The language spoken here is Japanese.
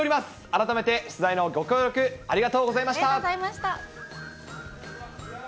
改めて取材のご協力、ありがとうございました。